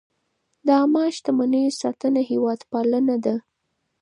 د عامه شتمنیو ساتنه هېوادپالنه ده.